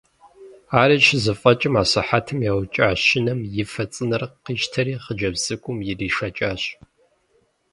Ари щызэфӏэкӏым асыхьэтым яукӏа щынэм и фэ цӏынэр къищтэри хъыджэбз цӏыкӏум иришэкӏащ.